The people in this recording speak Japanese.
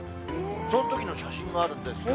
そのときの写真があるんですよ。